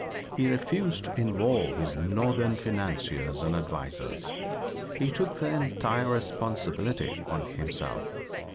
He refused to involve his Northern financiers and advisers. He took the entire responsibility on himself.